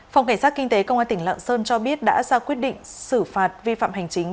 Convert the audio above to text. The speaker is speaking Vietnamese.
phòng cảnh sát kinh tế công an tỉnh lạng sơn cho biết đã ra quyết định xử phạt vi phạm hành chính